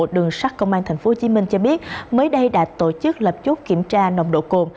đường sắt công an tp hcm cho biết mới đây đã tổ chức lập chốt kiểm tra nồng độ cồn